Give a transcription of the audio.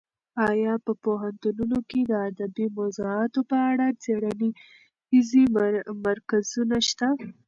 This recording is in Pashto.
ایا په پوهنتونونو کې د ادبي موضوعاتو په اړه څېړنیز مرکزونه شته؟